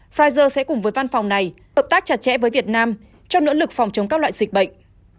pfizer sẽ cùng với văn phòng này hợp tác chặt chẽ với việt nam trong nỗ lực phòng chống các loại dịch bệnh